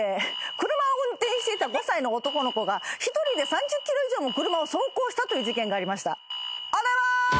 車を運転していた５歳の男の子が一人で３０ｋｍ以上も車を走行したという事件がありました。